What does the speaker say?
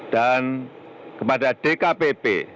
dan kepada dkpp